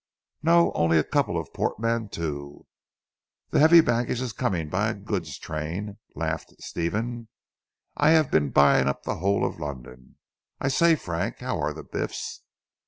"No! Only a couple of portmanteaux. The heavy baggage is coming on by a goods train," laughed Stephen. "I have been buying up the whole of London! I say Frank how are the Biffs?"